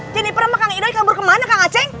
jennifer sama kang idoi kabur kemana kang acing